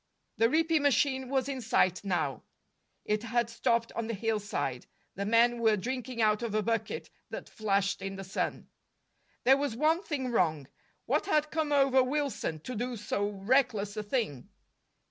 The reaping machine was in sight now; it had stopped on the hillside. The men were drinking out of a bucket that flashed in the sun. There was one thing wrong. What had come over Wilson, to do so reckless a thing?